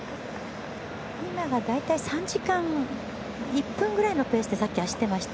今が大体３時間１分くらいのペースで走っていました。